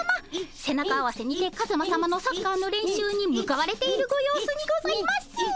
背中合わせにてカズマさまのサッカーの練習に向かわれているご様子にございます。